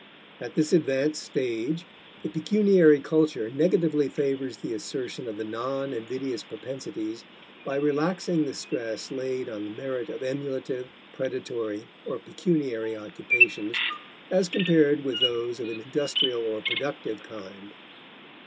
At this advanced stage the pecuniary culture negatively favors the assertion of the non invidious propensities by relaxing the stress laid on the merit of emulative, predatory, or pecuniary occupations, as compared with those of an industrial or productive kind.